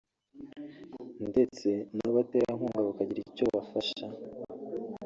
ndetse n’abaterankunga bakagira icyo bafasha